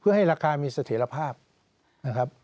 เพื่อให้ราคามีเสถียรภาพนะครับ